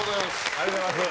ありがとうございます。